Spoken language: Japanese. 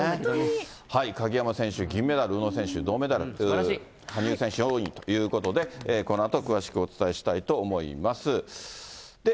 鍵山選手、銀メダル、宇野選手、銅メダル、羽生選手４位ということで、このあと詳しくお伝えしたいと思います。